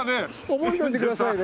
覚えといてくださいね。